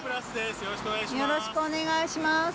よろしくお願いします。